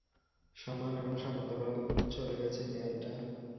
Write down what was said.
সমান এবং সমান্তরাল চলে গেছে দেয়ালটা।